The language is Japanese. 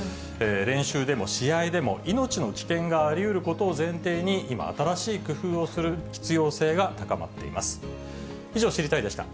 練習でも試合でも、命の危険がありうることを前提に、今、新しい工夫をする必要性が高まっています。